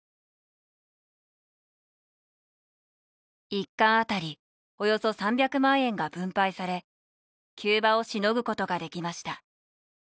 １館当たりおよそ３００万円が分配され急場をしのぐことができました。